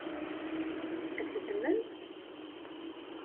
Ad tt-ddmen?